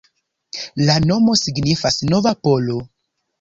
La nomo signifas nova-polo.